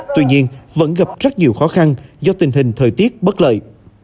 tuy nhiên vẫn gặp rất nhiều khó khăn do tình hình thời tiết bất lợi